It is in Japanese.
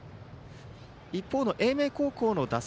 一方の英明高校の打線